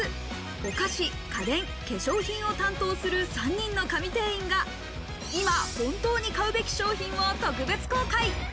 お菓子、家電、化粧品を担当する３人の神店員が今本当に買うべき商品を特別公開。